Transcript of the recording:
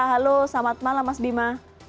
halo selamat malam mas bima